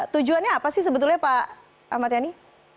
tujuannya apa sih sebetulnya pak ahmad yani